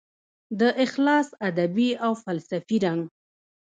د اخلاص ادبي او فلسفي رنګ